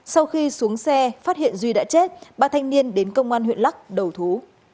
sau khi xuống xe phát hiện duy đã chết ba thanh niên đến công an huyện lắc đầu thú